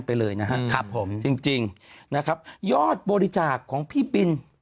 ไปเลยนะครับผมจริงนะครับยอดบริจาคของพี่ปิ่น